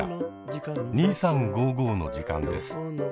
「２３５５」の時間です。